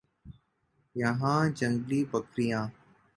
یہاں جنگلی بکریاں